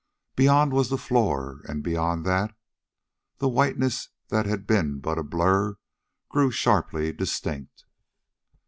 Beyond was the floor, and beyond that.... The whiteness that had been but a blur grew sharply distinct.